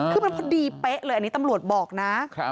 คือมันพอดีเป๊ะเลยอันนี้ตำรวจบอกนะ